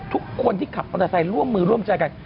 ทุกคนที่ขับมอเตอร์ไซค์ร่วมมือร่วมใจกัน